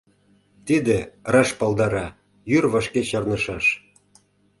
Тиде раш палдара: йӱр вашке чарнышаш.